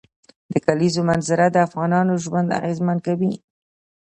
د کلیزو منظره د افغانانو ژوند اغېزمن کوي.